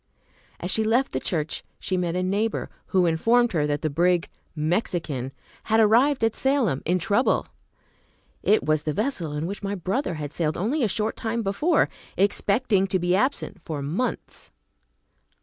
As she left the church she met a neighbor who informed her that the brig "Mexican" had arrived at Salem, in trouble. It was the vessel in which my brother had sailed only a short time before, expecting to be absent for months.